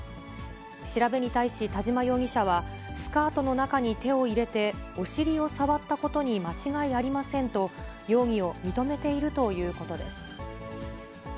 調べに対し田島容疑者は、スカートの中に手を入れてお尻を触ったことに間違いありませんと、容疑を認めているということです。